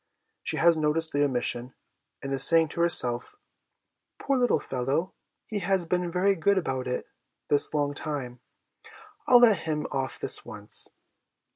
She has noticed the omission, and is saying to herself, ' Poor little fellow, he has been very good about it this long time ; I'll let him off this once.'